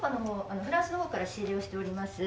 フランスの方から仕入れをしております